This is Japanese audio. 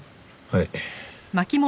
はい。